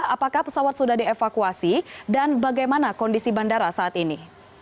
apakah pesawat sudah dievakuasi dan bagaimana kondisi bandara saat ini